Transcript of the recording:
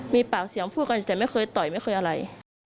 มีปากเสียงพูดกันแต่ไม่เคยต่อยไม่เคยอะไร